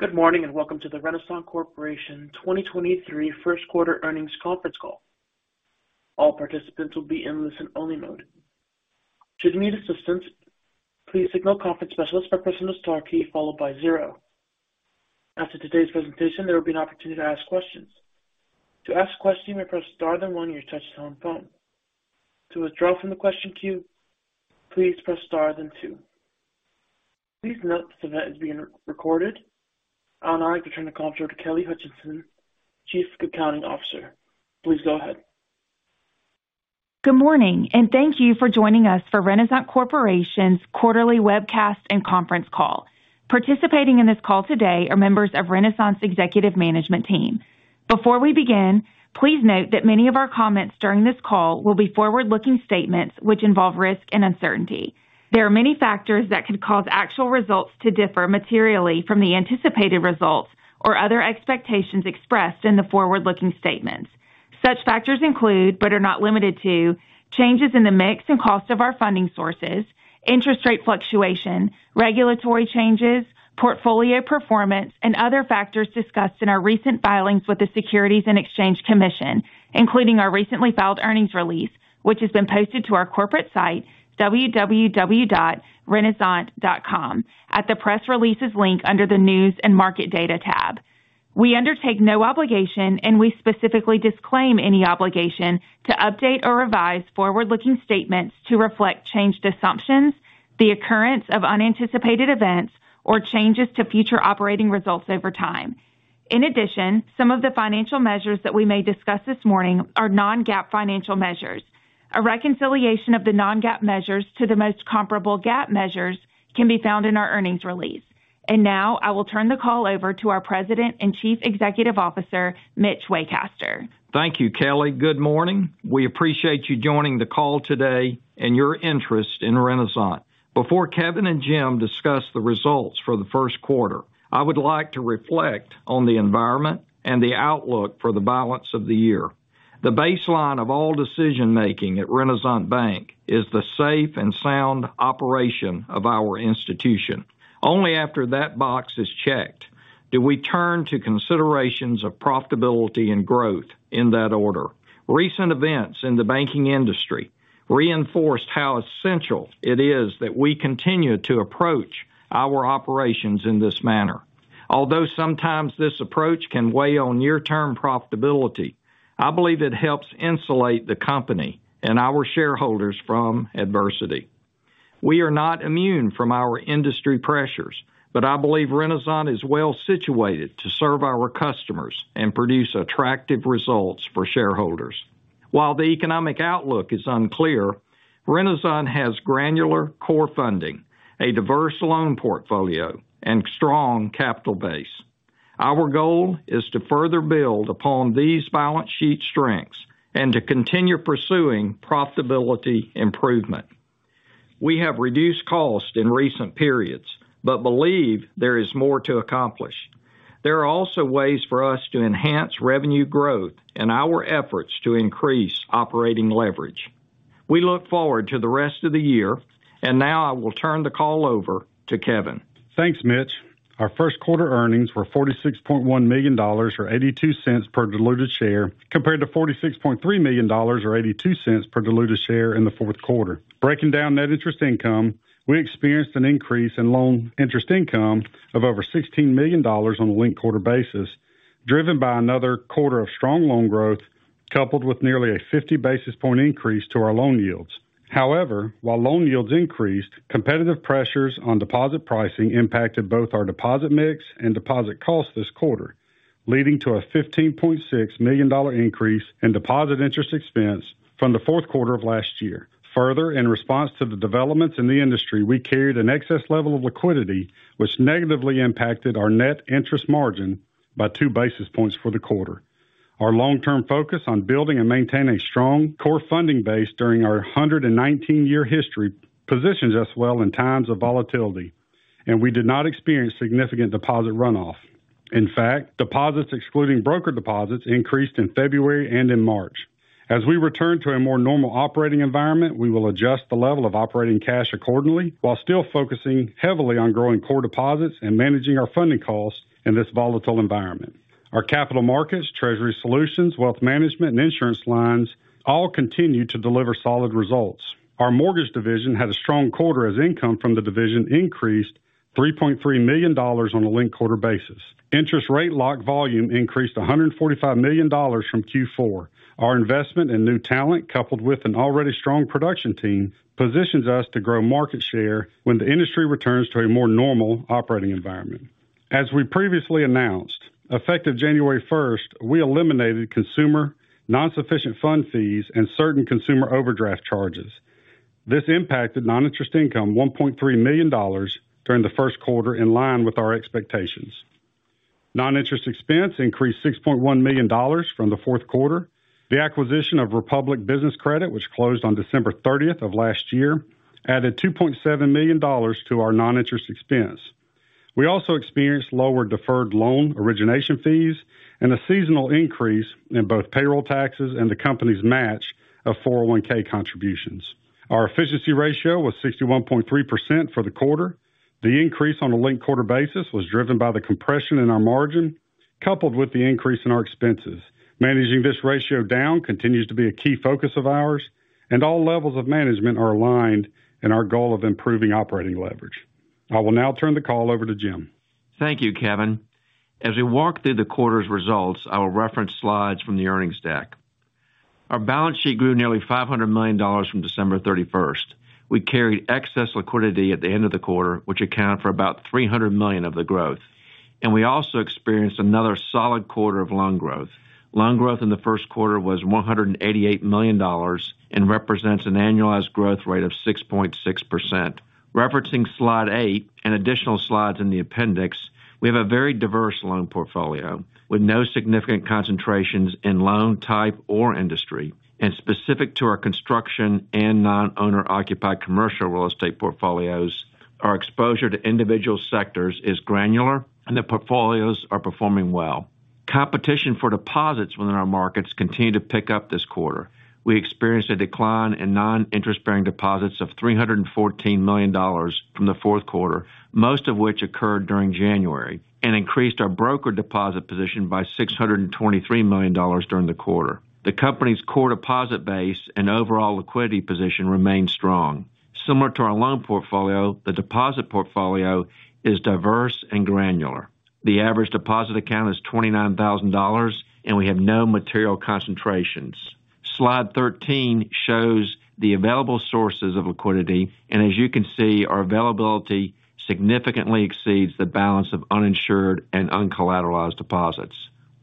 Good morning, and welcome to the Renasant Corporation 2023 1st quarter earnings conference call. All participants will be in listen-only mode. Should you need assistance, please signal conference specialist by pressing the star key followed by 0. After today's presentation, there will be an opportunity to ask questions. To ask a question, you may press Star-1 on your touchtone phone. To withdraw from the question queue, please press Star then 2. Please note this event is being recorded. Now I'd like to turn the call over to Kelly Hutcheson, Chief Accounting Officer. Please go ahead. Good morning, and thank you for joining us for Renasant Corporation's quarterly webcast and conference call. Participating in this call today are members of Renasant's executive management team. Before we begin, please note that many of our comments during this call will be forward-looking statements which involve risk and uncertainty. There are many factors that could cause actual results to differ materially from the anticipated results or other expectations expressed in the forward-looking statements. Such factors include, but are not limited to, changes in the mix and cost of our funding sources, interest rate fluctuation, regulatory changes, portfolio performance, and other factors discussed in our recent filings with the Securities and Exchange Commission, including our recently filed earnings release, which has been posted to our corporate site www.renasant.com, at the Press Releases link under the News and Market Data tab. We undertake no obligation, and we specifically disclaim any obligation to update or revise forward-looking statements to reflect changed assumptions, the occurrence of unanticipated events, or changes to future operating results over time. In addition, some of the financial measures that we may discuss this morning are non-GAAP financial measures. A reconciliation of the non-GAAP measures to the most comparable GAAP measures can be found in our earnings release. Now I will turn the call over to our President and Chief Executive Officer, Mitch Waycaster. Thank you, Kelly. Good morning. We appreciate you joining the call today and your interest in Renasant. Before Kevin and Jim discuss the results for the Q1, I would like to reflect on the environment and the outlook for the balance of the year. The baseline of all decision-making at Renasant Bank is the safe and sound operation of our institution. Only after that box is checked do we turn to considerations of profitability and growth in that order. Recent events in the banking industry reinforced how essential it is that we continue to approach our operations in this manner. Although sometimes this approach can weigh on near-term profitability, I believe it helps insulate the company and our shareholders from adversity. We are not immune from our industry pressures, but I believe Renasant is well situated to serve our customers and produce attractive results for shareholders. While the economic outlook is unclear, Renasant has granular core funding, a diverse loan portfolio, and strong capital base. Our goal is to further build upon these balance sheet strengths and to continue pursuing profitability improvement. We have reduced costs in recent periods, but believe there is more to accomplish. There are also ways for us to enhance revenue growth in our efforts to increase operating leverage. Now I will turn the call over to Kevin. Thanks, Mitch. Our Q1 earnings were $46.1 million or $0.82 per diluted share compared to $46.3 million or $0.82 per diluted share in the Q3. Breaking down net interest income, we experienced an increase in loan interest income of over $16 million on a linked quarter basis, driven by another quarter of strong loan growth, coupled with nearly a 50 basis point increase to our loan yields. While loan yields increased, competitive pressures on deposit pricing impacted both our deposit mix and deposit cost this quarter, leading to a $15.6 million increase in deposit interest expense from the Q3 of last year. In response to the developments in the industry, we carried an excess level of liquidity, which negatively impacted our net interest margin by 2 basis points for the quarter. Our long-term focus on building and maintaining strong core funding base during our 119-year history positions us well in times of volatility, and we did not experience significant deposit runoff. In fact, deposits excluding broker deposits increased in February and in March. As we return to a more normal operating environment, we will adjust the level of operating cash accordingly while still focusing heavily on growing core deposits and managing our funding costs in this volatile environment. Our capital markets, treasury solutions, wealth management, and insurance lines all continue to deliver solid results. Our mortgage division had a strong quarter as income from the division increased $3.3 million on a linked-quarter basis. Interest rate lock volume increased $145 million from Q4. Our investment in new talent, coupled with an already strong production team, positions us to grow market share when the industry returns to a more normal operating environment. As we previously announced, effective January 1st, we eliminated consumer non-sufficient funds fees and certain consumer overdraft charges. This impacted non-interest income $1.3 million during the Q1, in line with our expectations. Non-interest expense increased $6.1 million from the Q3. The acquisition of Republic Business Credit, which closed on December 30th of last year, added $2.7 million to our non-interest expense. We also experienced lower deferred loan origination fees and a seasonal increase in both payroll taxes and the company's match of 401(k) contributions. Our efficiency ratio was 61.3% for the quarter. The increase on a linked quarter basis was driven by the compression in our margin, coupled with the increase in our expenses. Managing this ratio down continues to be a key focus of ours. All levels of management are aligned in our goal of improving operating leverage. I will now turn the call over to Jim. Thank you, Kevin. As we walk through the quarter's results, I will reference slides from the earnings deck. Our balance sheet grew nearly $500 million from December 31st. We carried excess liquidity at the end of the quarter, which accounted for about $300 million of the growth. We also experienced another solid quarter of loan growth. Loan growth in the Q1 was $188 million and represents an annualized growth rate of 6.6%. Referencing slide 8 and additional slides in the appendix, we have a very diverse loan portfolio with no significant concentrations in loan type or industry. Specific to our construction and non-owner occupied commercial real estate portfolios, our exposure to individual sectors is granular and the portfolios are performing well. Competition for deposits within our markets continued to pick up this quarter. We experienced a decline in non-interest bearing deposits of $314 million from the Q3, most of which occurred during January, and increased our broker deposit position by $623 million during the quarter. The company's core deposit base and overall liquidity position remains strong. Similar to our loan portfolio, the deposit portfolio is diverse and granular. The average deposit account is $29,000 and we have no material concentrations. Slide 13 shows the available sources of liquidity, and as you can see, our availability significantly exceeds the balance of uninsured and uncollateralized deposits.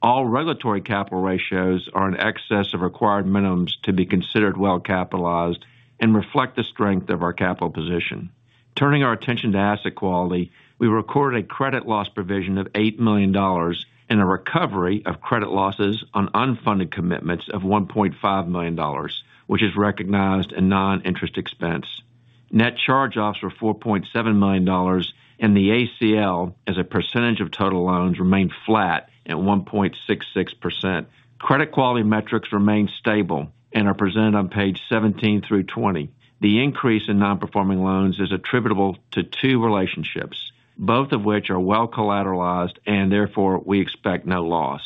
All regulatory capital ratios are in excess of required minimums to be considered well capitalized and reflect the strength of our capital position. Turning our attention to asset quality, we recorded a credit loss provision of $8 million and a recovery of credit losses on unfunded commitments of $1.5 million, which is recognized in non-interest expense. Net charge-offs were $4.7 million, and the ACL as a percentage of total loans remained flat at 1.66%. Credit quality metrics remain stable and are presented on page 17 through 20. The increase in non-performing loans is attributable to two relationships, both of which are well collateralized and therefore we expect no loss.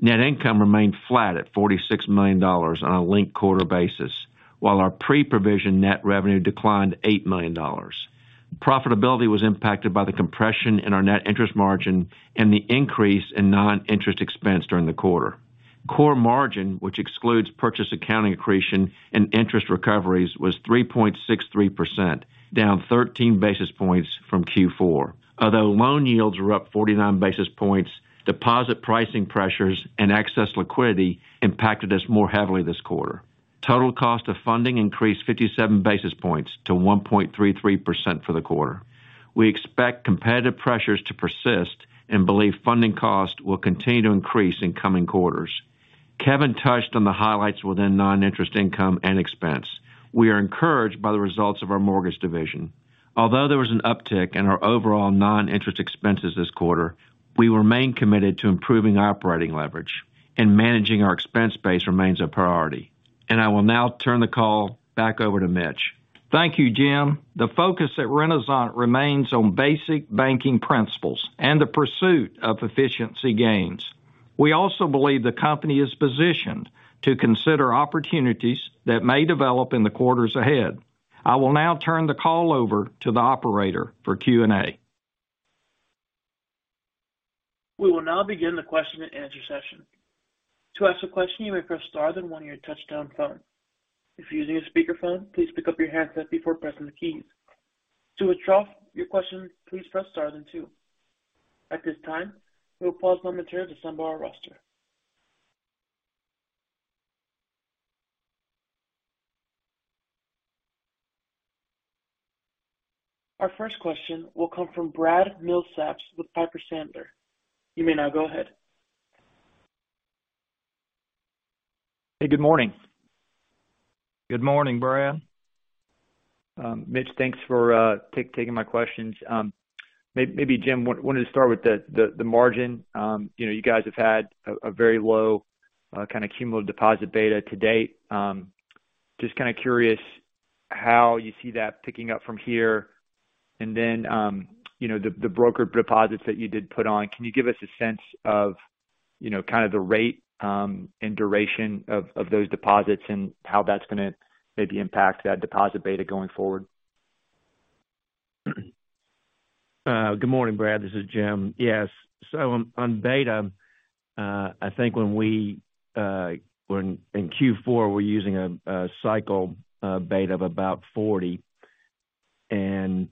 Net income remained flat at $46 million on a linked quarter basis, while our pre-provision net revenue declined $8 million. Profitability was impacted by the compression in our net interest margin and the increase in non-interest expense during the quarter. Core margin, which excludes purchase accounting accretion and interest recoveries was 3.63%, down 13 basis points from Q4. Although loan yields were up 49 basis points, deposit pricing pressures and excess liquidity impacted us more heavily this quarter. Total cost of funding increased 57 basis points to 1.33% for the quarter. We expect competitive pressures to persist and believe funding costs will continue to increase in coming quarters. Kevin touched on the highlights within non-interest income and expense. We are encouraged by the results of our mortgage division. Although there was an uptick in our overall non-interest expenses this quarter, we remain committed to improving our operating leverage and managing our expense base remains a priority. I will now turn the call back over to Mitch. Thank you, Jim. The focus at Renasant remains on basic banking principles and the pursuit of efficiency gains. We also believe the company is positioned to consider opportunities that may develop in the quarters ahead. I will now turn the call over to the operator for Q&A. We will now begin the question and answer session. To ask a question, you may press star then one on your touchtone phone. If you're using a speakerphone, please pick up your handset before pressing the keys. To withdraw your question, please press star then two. At this time, we'll pause momentarily to assemble our roster. Our first question will come from Brad Milsaps with Piper Sandler. You may now go ahead. Hey, good morning. Good morning, Brad. Mitch, thanks for taking my questions. Maybe Jim wanted to start with the margin. You know, you guys have had a very low kind of cumulative deposit beta to date. Just kind of curious how you see that picking up from here. You know, the broker deposits that you did put on, can you give us a sense of, you know, kind of the rate and duration of those deposits and how that's gonna maybe impact that deposit beta going forward? Good morning, Brad. This is Jim. Yes. On, on beta, I think when we, when in Q4 we're using a cycle beta of about 40, and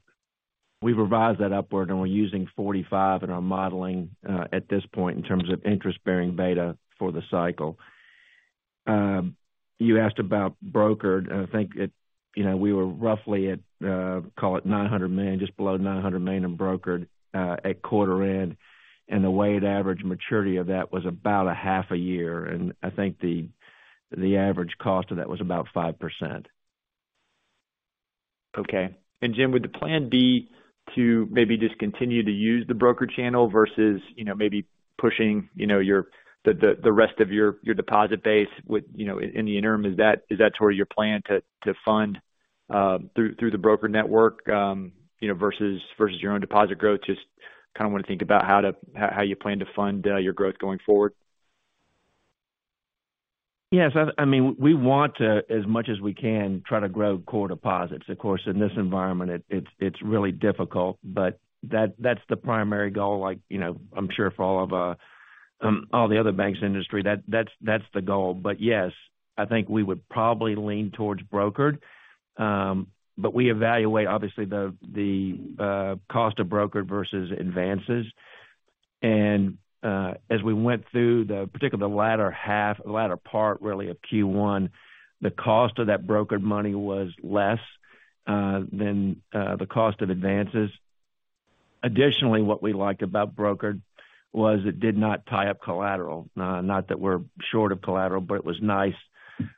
we revised that upward and we're using 45 in our modeling at this point in terms of interest bearing beta for the cycle. You asked about brokered. I think it, you know, we were roughly at, call it $900 million, just below $900 million in brokered at quarter end, and the weighted average maturity of that was about a half a year. I think the average cost of that was about 5%. Okay. Jim, would the plan be to maybe just continue to use the broker channel versus, you know, maybe pushing, you know, the rest of your deposit base with, you know, in the interim, is that, is that sort of your plan to fund through the broker network, you know, versus your own deposit growth? Just kind of want to think about how you plan to fund your growth going forward? Yes. I mean, we want to, as much as we can, try to grow core deposits. Of course, in this environment it's really difficult, but that's the primary goal. Like, you know, I'm sure for all the other banks in the industry, that's the goal. Yes, I think we would probably lean towards brokered. We evaluate obviously the cost of brokered versus advances. As we went through particularly the latter part really of Q1, the cost of that brokered money was less than the cost of advances. Additionally, what we liked about brokered was it did not tie up collateral. Not that we're short of collateral, but it was nice,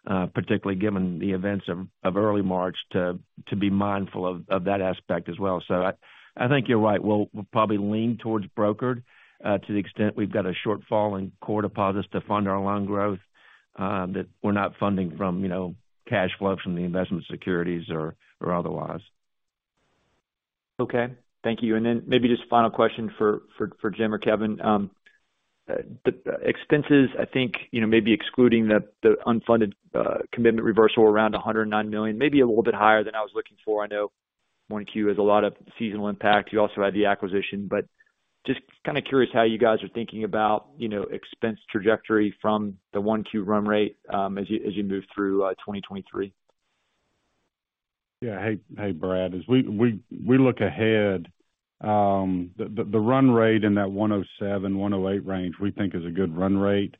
particularly given the events of early March to be mindful of that aspect as well. I think you're right. We'll probably lean towards brokered, to the extent we've got a shortfall in core deposits to fund our loan growth, that we're not funding from, you know, cash flow from the investment securities or otherwise. Okay. Thank you. Maybe just final question for Jim or Kevin. The expenses I think, you know, maybe excluding the unfunded commitment reversal around $109 million, maybe a little bit higher than I was looking for. I know 1Q has a lot of seasonal impact. You also had the acquisition. Just kind of curious how you guys are thinking about, you know, expense trajectory from the 1Q run rate as you move through 2023. Hey, Brad. As we look ahead, the run rate in that $107, $108 range we think is a good run rate.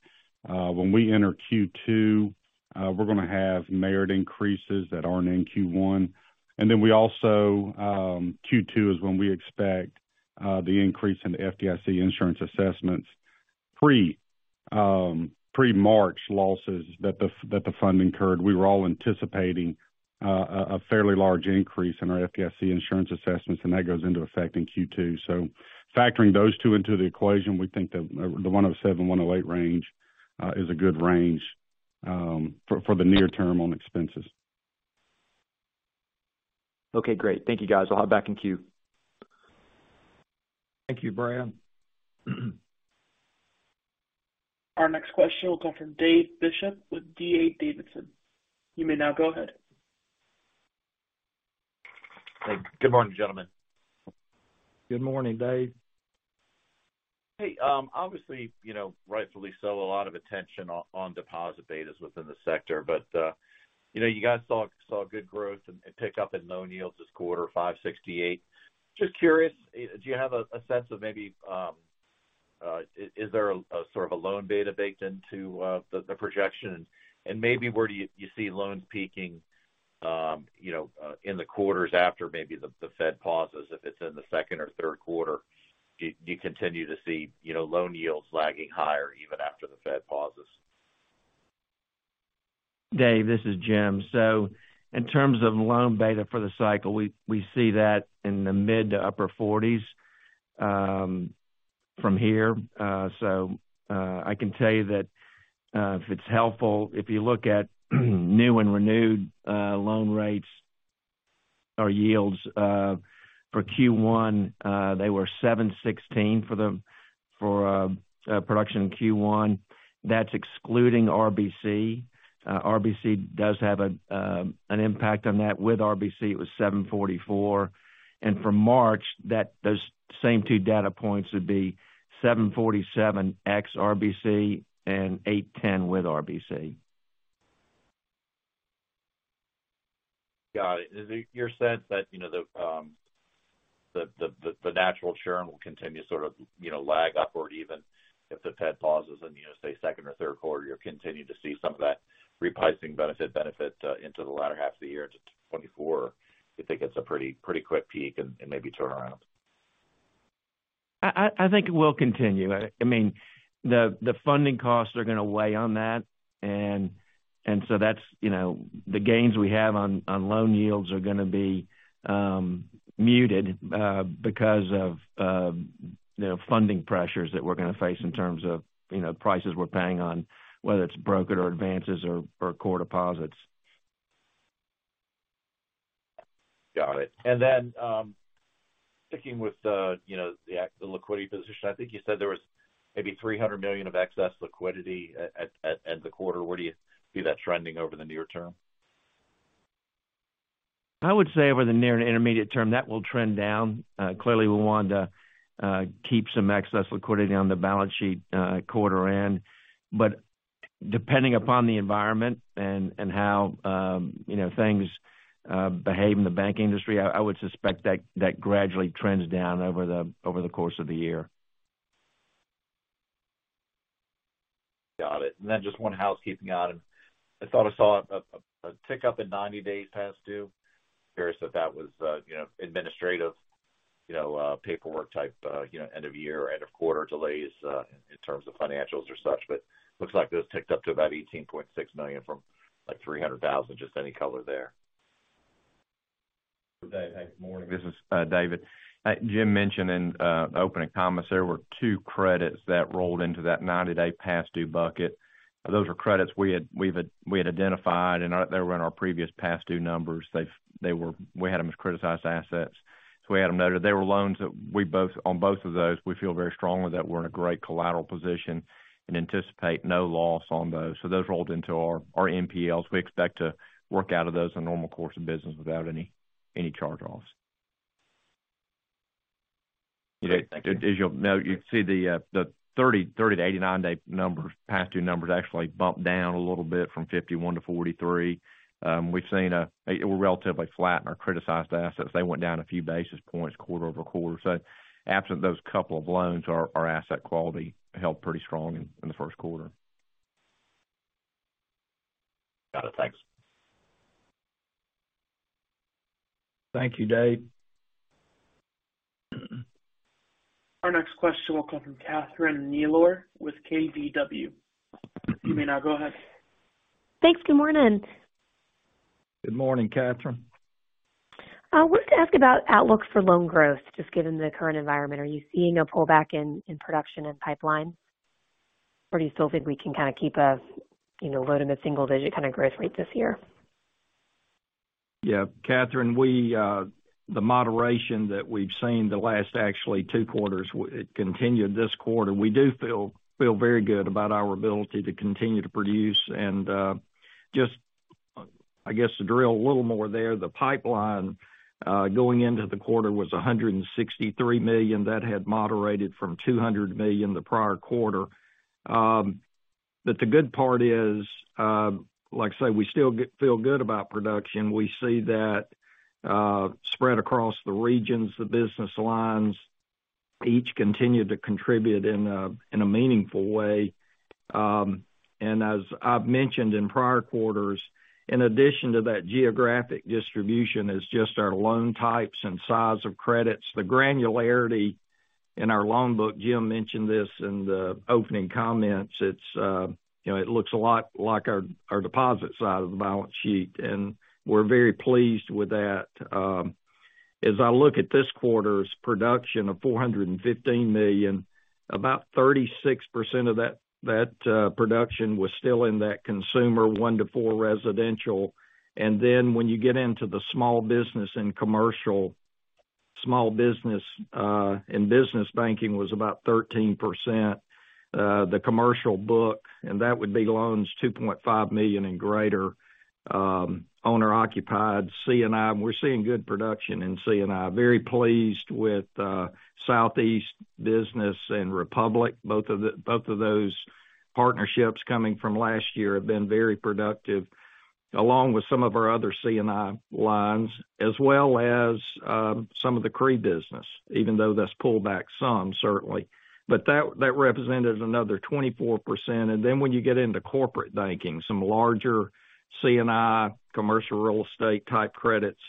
When we enter Q2, we're gonna have merit increases that aren't in Q1. We also, Q2 is when we expect the increase in the FDIC insurance assessments pre-March losses that the fund incurred. We were all anticipating a fairly large increase in our FDIC insurance assessments, That goes into effect in Q2. Factoring those two into the equation, we think the $107, $108 range is a good range for the near term on expenses. Okay, great. Thank you, guys. I'll hop back in queue. Thank you, Brad. Our next question will come from Dave Bishop with Hovde Group. You may now go ahead. Hey, good morning, gentlemen. Good morning, Dave. Hey, obviously, you know, rightfully so, a lot of attention on deposit betas within the sector. You know, you guys saw good growth and pick up in loan yields this quarter, 568. Just curious, do you have a sense of maybe, is there a sort of a loan beta baked into the projection? Maybe where do you see loans peaking, you know, in the quarters after maybe the Fed pauses if it's in the second or Q3? Do you continue to see, you know, loan yields lagging higher even after the Fed pauses? Dave, this is Jim. In terms of loan beta for the cycle, we see that in the mid to upper 40s from here. I can tell you that, if it's helpful, if you look at new and renewed loan rates or yields for Q1, they were 7.16% for production in Q1. That's excluding RBC. RBC does have an impact on that. With RBC it was 7.44%. For March, those same two data points would be 7.47% ex RBC and 8.10% with RBC. Got it. Is it your sense that, you know, the natural churn will continue to sort of, you know, lag upward even if the Fed pauses in, you know, say, second or Q3? You're continuing to see some of that repricing benefit into the latter half of the year into 2024. You think it's a pretty quick peak and maybe turnaround? I think it will continue. I mean, the funding costs are gonna weigh on that. So that's, you know, the gains we have on loan yields are gonna be muted because of, you know, funding pressures that we're gonna face in terms of, you know, prices we're paying on whether it's brokered or advances or core deposits. Got it. Sticking with the, you know, the liquidity position, I think you said there was maybe $300 million of excess liquidity at the quarter. Where do you see that trending over the near term? I would say over the near and intermediate term, that will trend down. Clearly, we wanted to keep some excess liquidity on the balance sheet, quarter end. Depending upon the environment and how, you know, things behave in the bank industry, I would suspect that gradually trends down over the course of the year. Got it. Then just one housekeeping item. I thought I saw a tick up in 90 days past due. Curious if that was, you know, administrative You know, paperwork type, you know, end of year, end of quarter delays, in terms of financials or such. Looks like those ticked up to about $18.6 million from, like, $300,000. Just any color there. Dave, hey, good morning. This is David. Jim mentioned in the opening comments there were two credits that rolled into that 90-day past due bucket. Those were credits we had identified, and they were in our previous past due numbers. We had them as criticized assets, so we had them noted. They were loans that on both of those, we feel very strongly that we're in a great collateral position and anticipate no loss on those. Those rolled into our NPLs. We expect to work out of those on normal course of business without any charge-offs. Dave, as you'll note, you see the 30 to 89-day numbers, past due numbers actually bumped down a little bit from 51 to 43. We're relatively flat in our criticized assets. They went down a few basis points quarter-over-quarter. Absent those couple of loans, our asset quality held pretty strong in the Q1. Got it. Thanks. Thank you, Dave. Our next question will come from Catherine Mealor with KBW. You may now go ahead. Thanks. Good morning. Good morning, Catherine. Wanted to ask about outlook for loan growth, just given the current environment. Are you seeing a pullback in production and pipeline? Or do you still think we can kind of keep a, you know, low to mid-single digit kind of growth rate this year? Yeah. Catherine, we, the moderation that we've seen the last actually 2 quarters it continued this quarter. We do feel very good about our ability to continue to produce. Just, I guess, to drill a little more there, the pipeline, going into the quarter was $163 million. That had moderated from $200 million the prior quarter. The good part is, like I say, we still feel good about production. We see that, spread across the regions, the business lines each continue to contribute in a meaningful way. As I've mentioned in prior quarters, in addition to that geographic distribution is just our loan types and size of credits. The granularity in our loan book, Jim mentioned this in the opening comments, it's, you know, it looks a lot like our deposit side of the balance sheet. We're very pleased with that. As I look at this quarter's production of $415 million, about 36% of that production was still in that consumer 1-4 residential. When you get into the small business and commercial, small business and business banking was about 13%. The commercial book, that would be loans $2.5 million and greater, owner occupied C&I, we're seeing good production in C&I. Very pleased with Southeast Business and Republic. Both of those partnerships coming from last year have been very productive, along with some of our other C&I lines, as well as, some of the CRE business, even though that's pulled back some certainly. That represented another 24%. When you get into corporate banking, some larger C&I commercial real estate type credits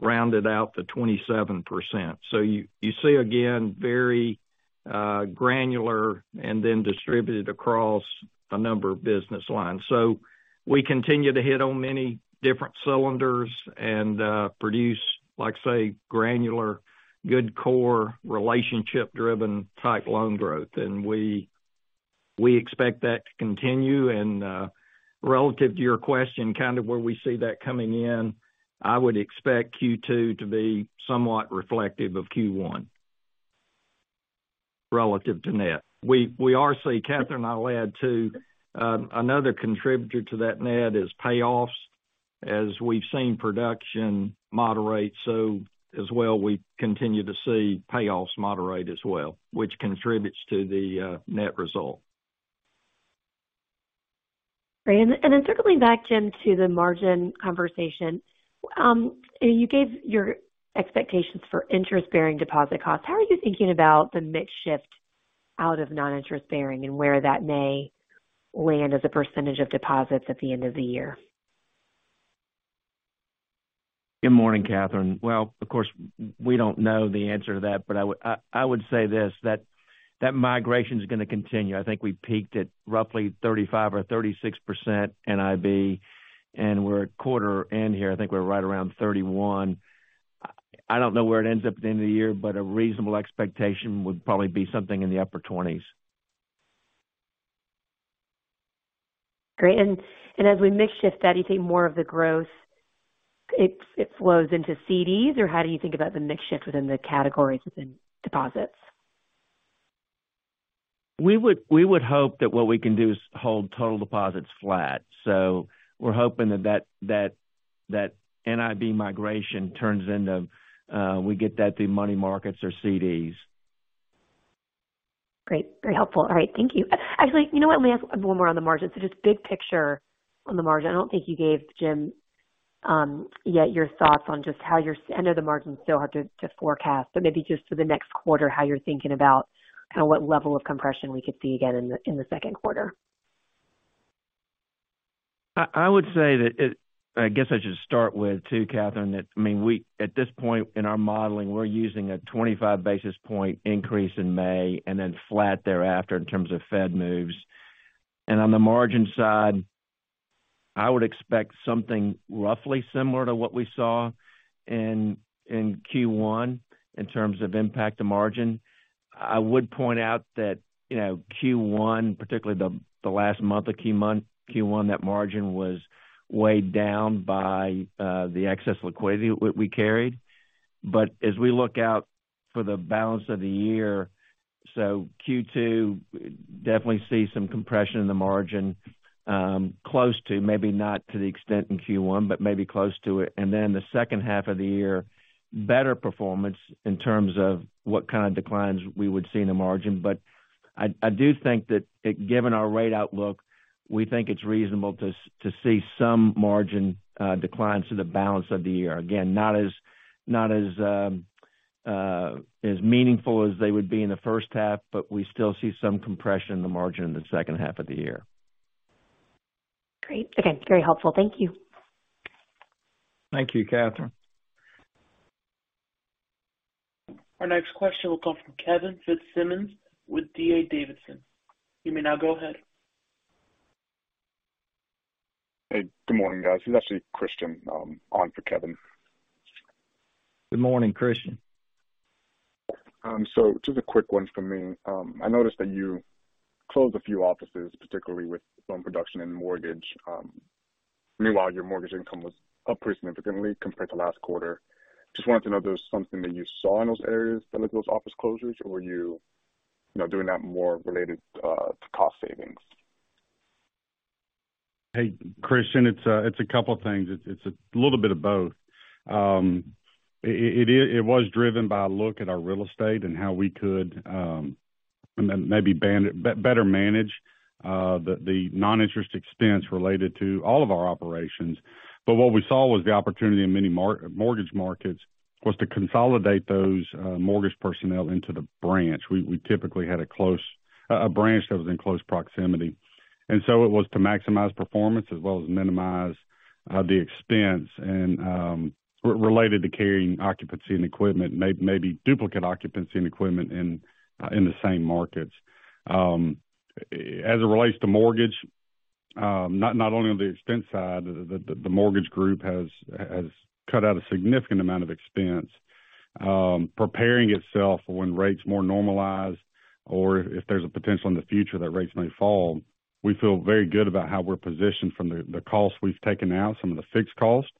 rounded out to 27%. You see again, very granular and then distributed across a number of business lines. We continue to hit on many different cylinders and produce, like I say, granular, good core, relationship driven type loan growth. We expect that to continue. Relative to your question, kind of where we see that coming in, I would expect Q2 to be somewhat reflective of Q1 relative to net. We are seeing, Catherine, I'll add, too, another contributor to that net is payoffs as we've seen production moderate. As well, we continue to see payoffs moderate as well, which contributes to the net result. Great. Circling back, Jim, to the margin conversation. You gave your expectations for interest-bearing deposit costs. How are you thinking about the mix shift out of non-interest bearing and where that may land as a % of deposits at the end of the year? Good morning, Catherine. Well, of course, we don't know the answer to that. I would say this, that migration is going to continue. I think we peaked at roughly 35% or 36% NIB and we're a quarter in here. I think we're right around 31. I don't know where it ends up at the end of the year, but a reasonable expectation would probably be something in the upper twenties. Great. As we mix shift that, do you think more of the growth, it flows into CDs? Or how do you think about the mix shift within the categories within deposits? We would hope that what we can do is hold total deposits flat. We're hoping that NIB migration turns into, we get that through money markets or CDs. Great. Very helpful. All right. Thank you. Actually, you know what? Let me ask one more on the margin. Just big picture on the margin. I don't think you gave, Jim, yet your thoughts on just how I know the margins still have to forecast, but maybe just for the next quarter, how you're thinking about kind of what level of compression we could see again in the Q2. I would say that I guess I should start with too, Catherine, that, I mean, we at this point in our modeling, we're using a 25 basis point increase in May and then flat thereafter in terms of Fed moves. On the margin side, I would expect something roughly similar to what we saw in Q1 in terms of impact to margin. I would point out that, you know, Q1, particularly the last month of Q1, that margin was weighed down by the excess liquidity we carried. As we look out for the balance of the year, Q2 definitely see some compression in the margin, close to maybe not to the extent in Q1, but maybe close to it. The H2 of the year, better performance in terms of what kind of declines we would see in the margin. I do think that given our rate outlook, we think it's reasonable to see some margin declines through the balance of the year. Again, not as meaningful as they would be in the H1, but we still see some compression in the margin in the H2 of the year. Great. Again, very helpful. Thank you. Thank you, Catherine. Our next question will come from Kevin Fitzsimmons with Hovde Group. You may now go ahead. Hey, good morning, guys. This is actually Christian, on for Kevin. Good morning, Christian. Just a quick one from me. I noticed that you closed a few offices, particularly with loan production and mortgage. Meanwhile, your mortgage income was up pretty significantly compared to last quarter. Just wanted to know if there was something that you saw in those areas that led to those office closures, or you know, doing that more related to cost savings? Hey, Christian, it's a couple of things. It's, it's a little bit of both. It was driven by a look at our real estate and how we could better manage the non-interest expense related to all of our operations. What we saw was the opportunity in many mortgage markets was to consolidate those mortgage personnel into the branch. We, we typically had a close a branch that was in close proximity, and so it was to maximize performance as well as minimize the expense and related to carrying occupancy and equipment, duplicate occupancy and equipment in the same markets. As it relates to mortgage, not only on the expense side, the mortgage group has cut out a significant amount of expense, preparing itself for when rates more normalize or if there's a potential in the future that rates may fall. We feel very good about how we're positioned from the costs we've taken out, some of the fixed costs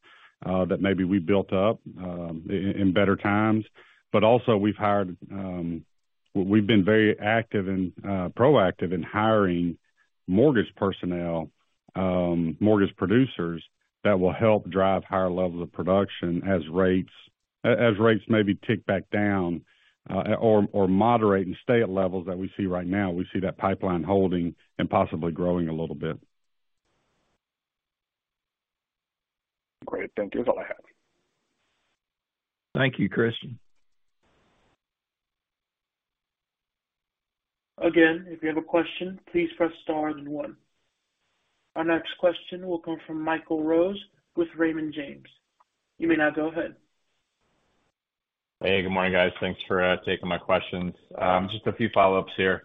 that maybe we built up in better times. Also we've hired. We've been very active and proactive in hiring mortgage personnel, mortgage producers that will help drive higher levels of production as rates maybe tick back down, or moderate and stay at levels that we see right now. We see that pipeline holding and possibly growing a little bit. Great. Thank you. That's all I have. Thank you, Christian. Again, if you have a question, please press star then one. Our next question will come from Michael Rose with Raymond James. You may now go ahead. Hey, good morning, guys. Thanks for taking my questions. Just a few follow-ups here.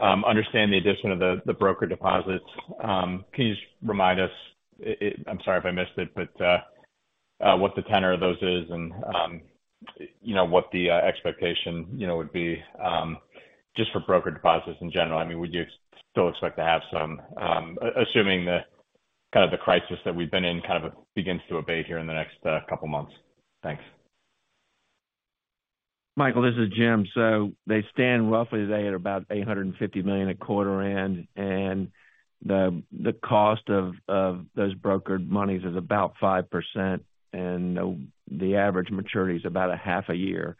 Understand the addition of the broker deposits. Can you just remind us, I'm sorry if I missed it, but what the tenor of those is and, you know, what the expectation, you know, would be just for broker deposits in general. I mean, would you still expect to have some, assuming the kind of the crisis that we've been in kind of begins to abate here in the next couple of months? Thanks. Michael, this is Jim. They stand roughly today at about $850 million a quarter in, and the cost of those brokered monies is about 5%, and the average maturity is about a half a year.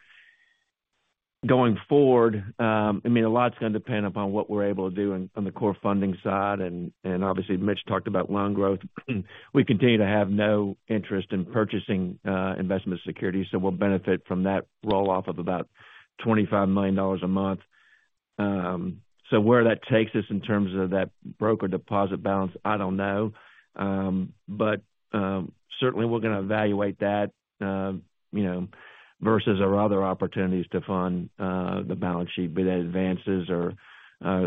Going forward, I mean, a lot's gonna depend upon what we're able to do on the core funding side and obviously Mitch talked about loan growth. We continue to have no interest in purchasing investment securities, so we'll benefit from that roll-off of about $25 million a month. Where that takes us in terms of that broker deposit balance, I don't know. Certainly we're gonna evaluate that, you know, versus our other opportunities to fund the balance sheet, be that advances or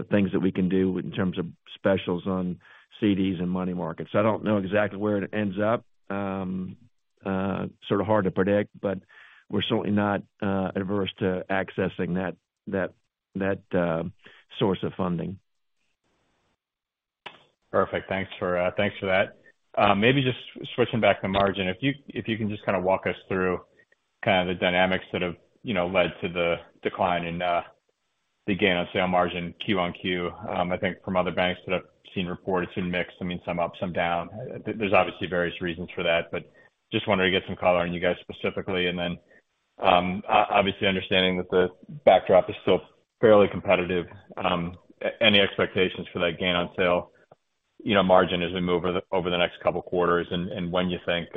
things that we can do in terms of specials on CDs and money markets. I don't know exactly where it ends up. Sort of hard to predict, we're certainly not adverse to accessing that source of funding. Perfect. Thanks for, thanks for that. Maybe just switching back to margin. If you can just kind of walk us through kind of the dynamics that have, you know, led to the decline in the gain on sale margin Q on Q. I think from other banks that I've seen report, it's been mixed. I mean, some up, some down. There's obviously various reasons for that, but just wanted to get some color on you guys specifically. Obviously understanding that the backdrop is still fairly competitive, any expectations for that gain on sale, you know, margin as we move over the next couple quarters and when you think,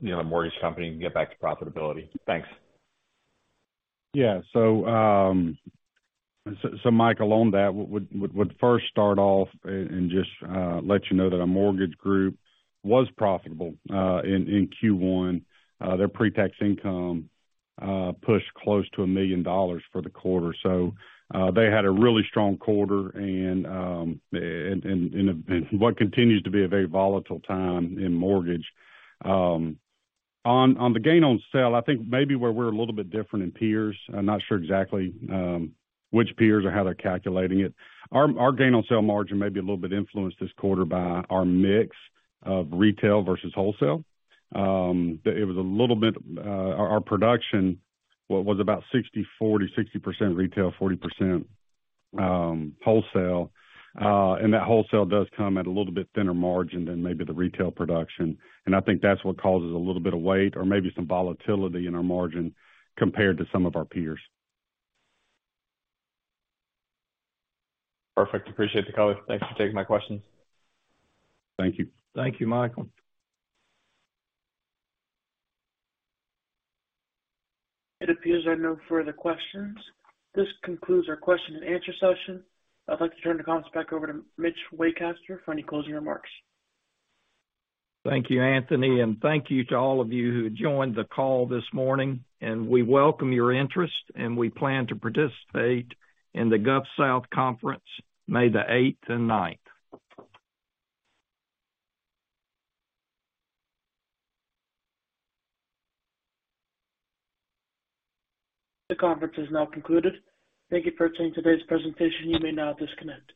you know, the mortgage company can get back to profitability. Thanks. Michael, on that, would first start off and just let you know that our mortgage group was profitable in Q1. Their pre-tax income pushed close to $1 million for the quarter. They had a really strong quarter and what continues to be a very volatile time in mortgage. On the gain on sale, I think maybe where we're a little bit different in peers, I'm not sure exactly which peers or how they're calculating it. Our gain on sale margin may be a little bit influenced this quarter by our mix of retail versus wholesale. It was a little bit our production was about 60% retail, 40% wholesale. That wholesale does come at a little bit thinner margin than maybe the retail production. I think that's what causes a little bit of weight or maybe some volatility in our margin compared to some of our peers. Perfect. Appreciate the color. Thanks for taking my questions. Thank you. Thank you, Michael. It appears there are no further questions. This concludes our question and answer session. I'd like to turn the conference back over to Mitch Waycaster for any closing remarks. Thank you, Anthony. Thank you to all of you who joined the call this morning. We welcome your interest. We plan to participate in the Gulf South Bank Conference, May the eighth and ninth. The conference is now concluded. Thank you for attending today's presentation. You may now disconnect.